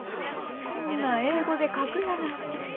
こんなん英語で書くやなんて。